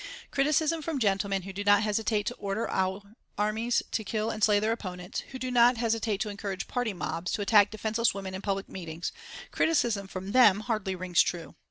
Criticism from gentlemen who do not hesitate to order out armies to kill and slay their opponents, who do not hesitate to encourage party mobs to attack defenceless women in public meetings criticism from them hardly rings true.